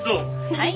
はい。